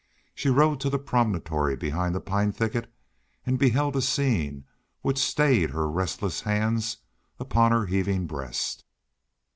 She rode to the promontory behind the pine thicket and beheld a scene which stayed her restless hands upon her heaving breast.